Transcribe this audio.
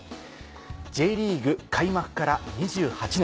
Ｊリーグ開幕から２８年。